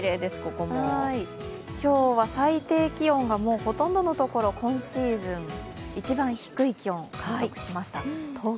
今日は最低気温がほとんどのところ、今シーズン一番低い気温を観測しました。